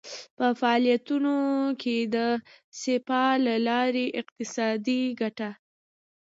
په فعالیتونو کې د سپما له لارې اقتصادي ګټه.